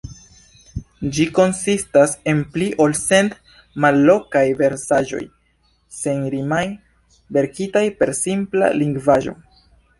Ĝi konsistas el pli ol cent mallongaj versaĵoj, senrimaj, verkitaj per simpla lingvaĵo.